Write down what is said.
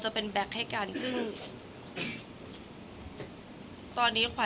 คนเราถ้าใช้ชีวิตมาจนถึงอายุขนาดนี้แล้วค่ะ